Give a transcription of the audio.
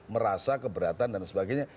merasa keberatan dan sebagainya